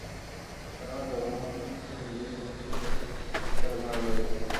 কেননা, জগমোহন নিজে শচীশের শিক্ষার ভার লইয়াছিলেন।